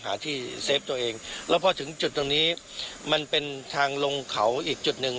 หาที่เซฟตัวเองแล้วพอถึงจุดตรงนี้มันเป็นทางลงเขาอีกจุดหนึ่ง